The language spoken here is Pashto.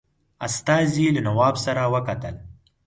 استازي له نواب سره وکتل.